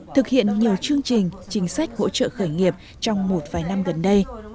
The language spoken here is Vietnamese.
thực hiện nhiều chương trình chính sách hỗ trợ khởi nghiệp trong một vài năm gần đây